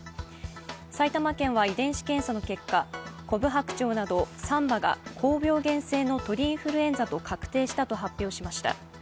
埼玉県は遺伝子検査の結果コブハクチョウなど３羽が高病原性の鳥インフルエンザと確定したと発表しました。